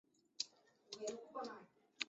小省藤为棕榈科省藤属下的一个种。